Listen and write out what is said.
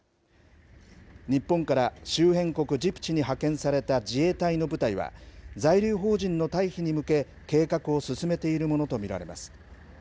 日本から周辺国ジブチに派遣された自衛隊の部隊は、在留邦人の退避に向け、計画を進めているものと見られます。